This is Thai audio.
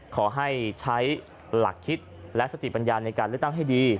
ขอให้ใช้หลักคิดและสติปัญญาในการเลือกตั้งให้ดี